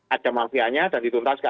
ada mafianya dan dituntaskan